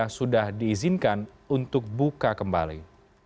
sudah diizinkan untuk buka kembali